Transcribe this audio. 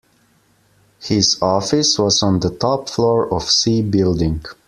His office was on the top floor of C building.